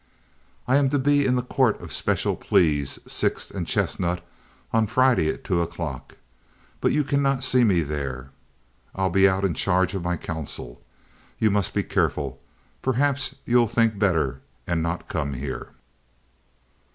I am to be in the Court of Special Pleas, Sixth and Chestnut, on Friday at two o'clock; but you cannot see me there. I'll be out in charge of my counsel. You must be careful. Perhaps you'll think better, and not come here.